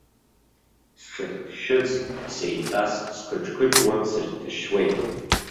Сшыхьҭшьыц, сеиҵас сқыџьқыџьуа, сыхьҭшьуеит.